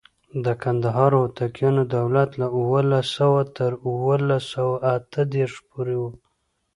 د کندهار هوتکیانو دولت له اوولس سوه تر اوولس سوه اته دیرش پورې و.